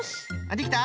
できた？